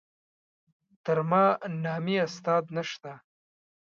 تر ما نامي استاد نشته.